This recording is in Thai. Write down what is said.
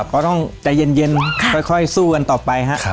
ก็ต้องใจเย็นค่อยสู้กันต่อไปครับ